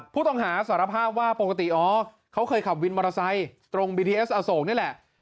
ผู้ต้องหาสารภาพว่าปกติอ๋อเขาเคยขับวินมอเตอร์ไซค์ตรงบีทีเอสอโศกนี่แหละ